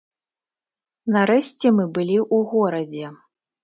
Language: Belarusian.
Нарэшце мы былі ў горадзе.